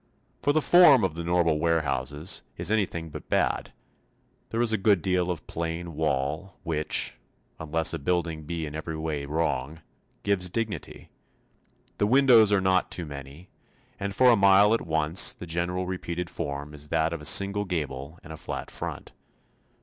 For the form of the normal warehouse is anything but bad; there is a good deal of plain wall, which unless a building be in every way wrong gives dignity; the windows are not too many, and for a mile at once the general repeated form is that of a single gable and a flat front.